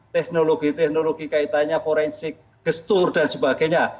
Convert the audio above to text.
teknologi teknologi kaitannya forensik gestur dan sebagainya